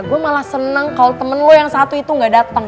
gue malah seneng kalau temen lo yang satu itu gak datang